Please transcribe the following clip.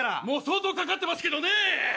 もう相当掛かってますけどね！